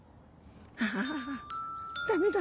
「ああ駄目だ。